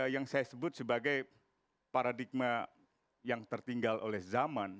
yang saya sebut sebagai paradigma yang tertinggal oleh zaman